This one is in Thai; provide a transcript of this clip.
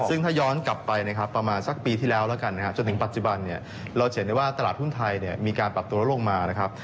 ซึ่งถ้าย้อนกลับไปนะครับประมาณสักปีที่แล้วแล้วกันนะครับจนถึงปัจจุบันเนี่ยเราจะเห็นได้ว่าตลาดหุ้นไทยมีการปรับตัวลงมานะครับ